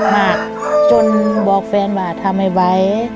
มากจนบอกแฟนว่าทำไม่ไหว